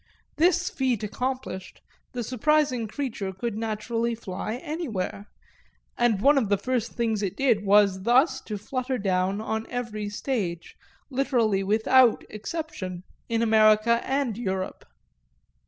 This feat accomplished, the surprising creature could naturally fly anywhere, and one of the first things it did was thus to flutter down on every stage, literally without exception, in America and Europe.